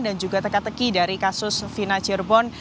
dan juga teka teki dari kasus fina cirebon